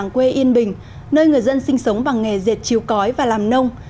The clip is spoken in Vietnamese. làng quê yên bình nơi người dân sinh sống bằng nghề dệt chiều cói và làm nông